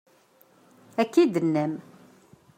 Akka i d-tennam.